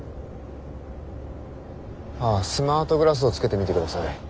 あスマートグラスをつけてみてください。